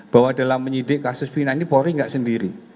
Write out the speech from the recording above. bahwa dalam menyidik kasus pidana ini puori enggak sendiri